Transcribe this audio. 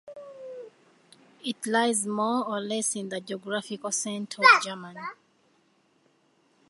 It lies more or less in the geographical centre of Germany.